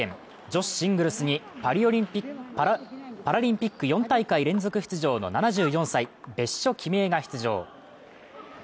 女子シングルスにパラリンピック４大会連続出場の７４歳、別所キミヱが出場。